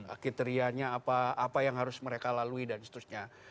kriterianya apa yang harus mereka lalui dan seterusnya